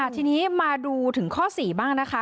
ทีนี้มาดูถึงข้อ๔บ้างนะคะ